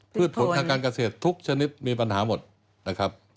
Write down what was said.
ผลทางการเกษตรทุกชนิดมีปัญหาหมดนะครับ